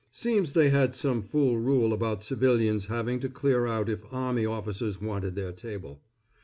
Seems they had some fool rule about civilians having to clear out if army officers wanted their table.